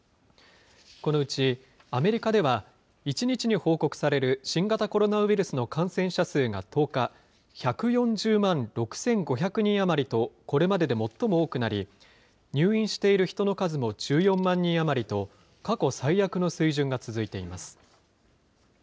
このうちアメリカでは、１日に報告される新型コロナウイルスの感染者数が１０日、１４０万６５００人余りとこれまでで最も多くなり、入院している人の数も１４万人余りと、過去最悪の水準が続いています。